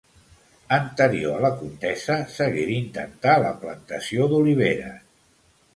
Anterior a la contesa, s'hagué d'intentar la plantació d'oliveres.